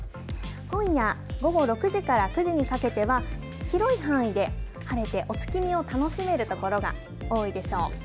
今夜午後６時から９時にかけては広い範囲で晴れてお月見を楽しめるところが多いでしょう。